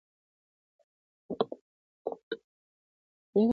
یو نن نه دی زه به څو ځلي راځمه٫